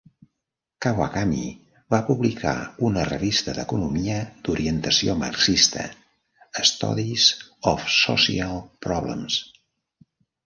Kawakami va publicar una revista d'economia d'orientació marxista, Studies of Social Problems.